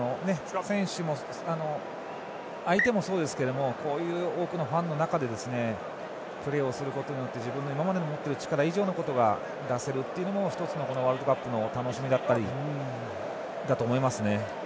選手も相手もそうですがこういう、多くのファンの中でプレーをすることによって自分の今までの持っている力以上のことが出せるというのも１つのワールドカップの楽しみだったりだと思いますね。